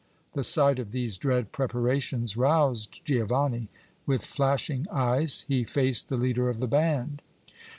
The sight of these dread preparations roused Giovanni. With flashing eyes, he faced the leader of the band.